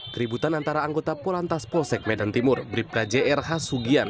keributan antara anggota polantas polsek medan timur bripkjrh sugian